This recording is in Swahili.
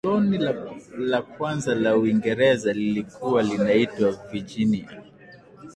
koloni la kwanza la uingereza lilikuwa linaitwa virginia